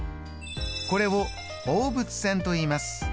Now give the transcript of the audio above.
これを放物線といいます。